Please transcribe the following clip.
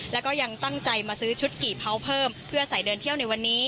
และครอบคราว